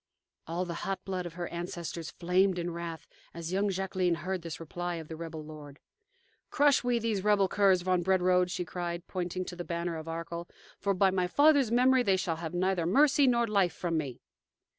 All the hot blood of her ancestors flamed in wrath as young Jacqueline heard this reply of the rebel lord. "Crush we these rebel curs, von Brederode," she cried, pointing to the banner of Arkell; "for by my father's memory, they shall have neither mercy nor life from me."